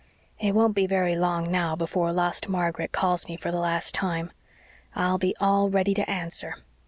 It won't be very long now before lost Margaret calls me, for the last time. I'll be all ready to answer.